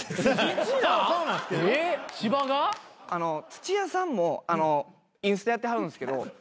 土屋さんもインスタやってはるんですけど。